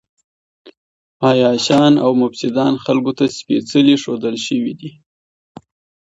عياشان او مفسدان خلکو ته سپېڅلي ښودل شوي دي.